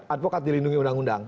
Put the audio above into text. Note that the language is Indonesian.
advokat dilindungi undang undang